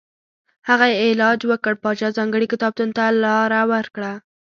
هغه یې علاج وکړ پاچا ځانګړي کتابتون ته لاره ورکړه.